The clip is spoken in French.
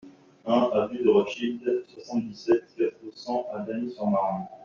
un avenue de Rothschild, soixante-dix-sept, quatre cents à Lagny-sur-Marne